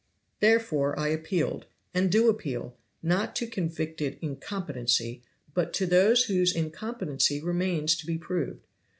"Therefore I appealed, and do appeal, not to convicted incompetency, but to those whose incompetency remains to be proved.